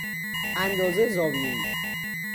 اندازه زاویه ای